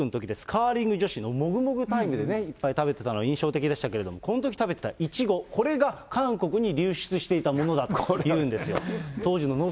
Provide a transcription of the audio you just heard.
カーリング女子のもぐもぐタイムでね、いっぱい食べてたのが印象的でしたけど、このとき食べてたイチゴ、これが韓国に流出していたものだというんです。